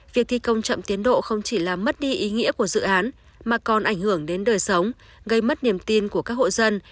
việc thi công chậm tiến độ không chỉ làm mất đi ý nghĩa của dự án mà còn ảnh hưởng đến đời sống gây mất niềm tin của các hộ dân